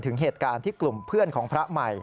ถึงเหตุการณ์ที่กลุ่มเพื่อนของพระใหม่